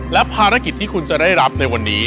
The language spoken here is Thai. และภารกิจที่คุณจะได้รับในวันนี้